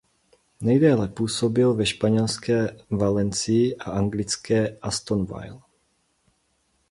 Nejdéle působil ve španělské Valencii a anglické Aston Ville.